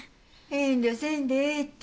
遠慮せんでええって。